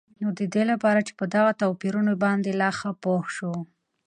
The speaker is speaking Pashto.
نو ددي لپاره چې په دغه توپيرونو باندي لا ښه پوه شو